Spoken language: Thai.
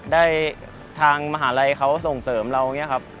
ได้ทางมหาลัยเขาส่งเสริมเราอย่างนี้ครับ